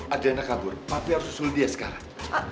adriana kabur papi harus susul dia sekarang